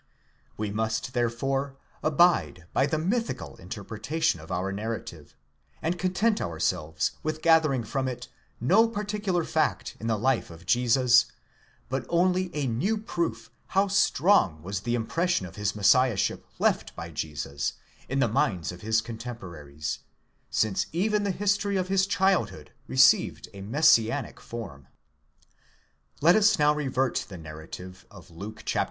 We must therefore abide by the mythical interpretation of our narrative, and content ourselves with gathering from it no particular fact in the life of Jesus, but only a new proof how strong was the impression of his messiah ship left by Jesus on the minds of his contemporaries, since even the history of his childhood received a messianic form.® Let us now revert to the narrative of Luke, chap.